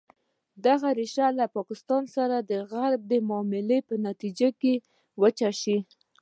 دغه ریښه له پاکستان سره د غرب د معاملې په نتیجه کې وچه شوې.